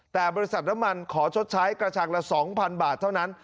แต่บริษัทน้ำมันขอชดใช้กระชังละ๒๐๐บาทเท่านั้น